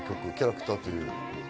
『キャラクター』という。